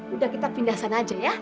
udah kita pindah sana aja ya